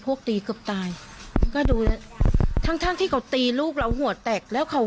พวกตีกับตายก็ดูทั้งที่เขาตีลูกเราหัวแตกแล้วเขา